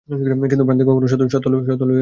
কিন্তু ভ্রান্তি কখনও সত্যে লইয়া যাইতে পারে না।